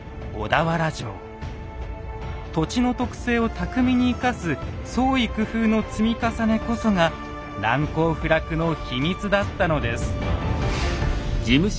土地の特性を巧みに生かす創意工夫の積み重ねこそが難攻不落の秘密だったのです。